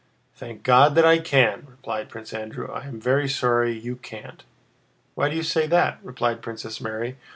"Thank God that I can," replied Prince Andrew. "I am very sorry you can't." "Why do you say that?" replied Princess Mary.